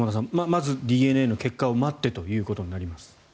まずＤＮＡの結果を待ってということになります。